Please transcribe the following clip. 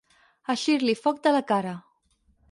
Eixir-li foc de la cara.